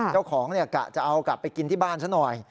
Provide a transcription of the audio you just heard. เจ้าของกะจะเอากลับไปกินที่บ้านซะหน่อย